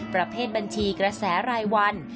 ประเภทบัญชีกระแสรายวัน